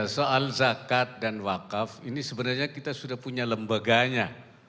soal zakat dan wakaf ini sebenarnya kita sudah punya lembaganya